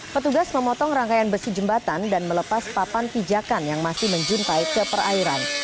petugas memotong rangkaian besi jembatan dan melepas papan pijakan yang masih menjuntai ke perairan